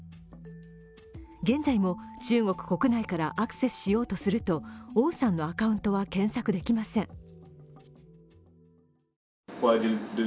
現在も中国国内からアクセスしようとすると王さんのアカウントは検索できません。